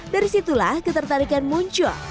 dari situlah ketertarikan muncul